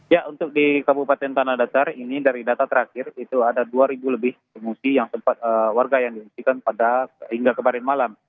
ya untuk di kabupaten tanah datar ini dari data terakhir itu ada dua lebih pengungsi yang sempat warga yang diungsikan pada hingga kemarin malam